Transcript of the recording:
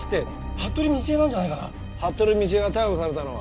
服部倫恵が逮捕されたのは？